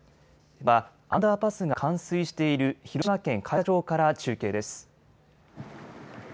まずはアンダーパスが冠水している広島県海田町から中継です。